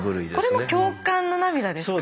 これも共感の涙ですか？